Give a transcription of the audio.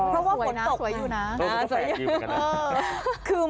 เพราะว่าเพราะปนดกเลย